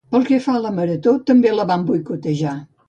Pel que fa a la marató també la vam boicotejar